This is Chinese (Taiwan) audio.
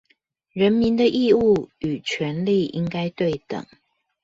人民的義務與權利應該對等